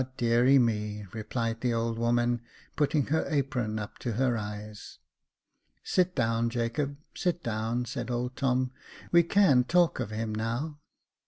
deary me !" replied the old woman, putting her apron up to her eyes. Sit down, Jacob, sit down," said old Tom ;*' we can talk of him now."